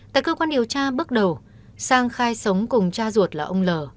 tại cơ quan điều tra bước đầu sang khai sống cùng cha ruột là ông l